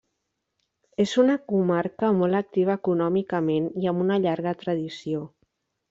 És una comarca molt activa econòmicament i amb una llarga tradició.